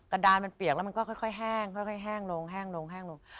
กระดานมันเปียกแล้วมันก็ค่อยแห้งแห้งลง